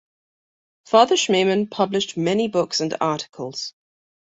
Father Schmemann published many books and articles.